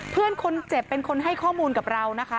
เพื่อนคนเจ็บเป็นคนให้ข้อมูลกับเรานะคะ